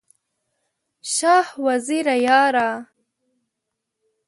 شاه وزیره یاره!